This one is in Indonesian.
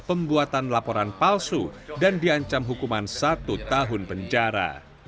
pembuatan laporan palsu dan diancam hukuman satu tahun penjara